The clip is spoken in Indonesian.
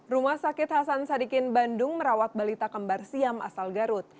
rumah sakit hasan sadikin bandung merawat balita kembar siam asal garut